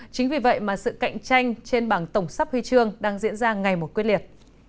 chính vì vậy mà sự cạnh tranh trên bảng tổng sắp huy chương đang diễn ra ngày một quyết liệt